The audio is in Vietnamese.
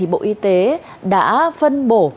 bộ y tế đã phân bổ